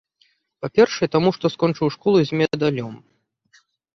Па-першае, таму, што скончыў школу з медалём.